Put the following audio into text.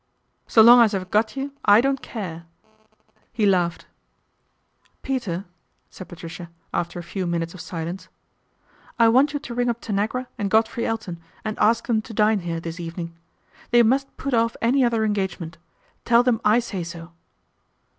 "So long as I've got you I don't care," he laughed. THE GREATEST INDISCRETION 307 " Peter/' said Patricia after a few minutes of silence, " I want you to ring up Tanagra and Godfrey Elton and ask them to dine here this evening. They must put off any other engage ment. Tell them I say so."